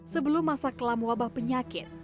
sebelum masa kelam wabah penyakit